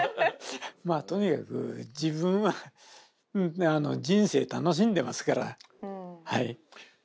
まあとにかく自分は人生楽しんでますからはい。